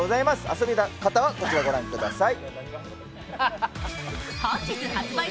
遊び方はこちら、ご覧ください。